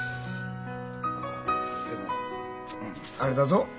あでもあれだぞ。